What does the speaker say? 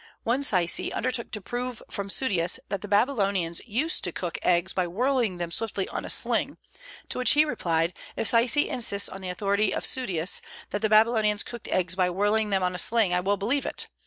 One Saisi undertook to prove from Suidas that the Babylonians used to cook eggs by whirling them swiftly on a sling; to which he replied: "If Saisi insists on the authority of Suidas, that the Babylonians cooked eggs by whirling them on a sling, I will believe it.